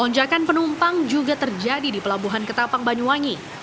lonjakan penumpang juga terjadi di pelabuhan ketapang banyuwangi